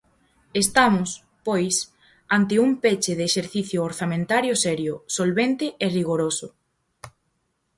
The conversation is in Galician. Estamos, pois, ante un peche de exercicio orzamentario serio, solvente e rigoroso.